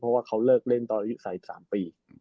เพราะว่าเขาเลิกเล่นตอนอายุ๓๓ปี